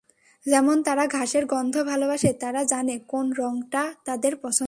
যেমন, তারা ঘাসের গন্ধ ভালোবাসে, তারা জানে কোন রংটা তাদের পছন্দ।